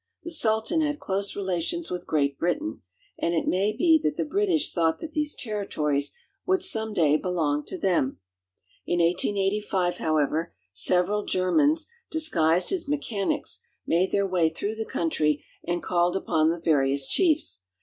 The Sultan had close relations with Great Britain, and it may be that the British thought that these territories would some day belong to them. In 1885, however, several Germans, disguised as me chanics, made their way through the country and called upon the various chiefs.